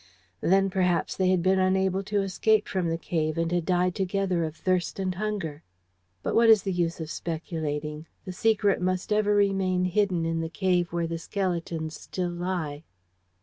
Then, perhaps, they had been unable to escape from the cave, and had died together of thirst and hunger. But what is the use of speculating? The secret must ever remain hidden in the cave where the skeletons still lie."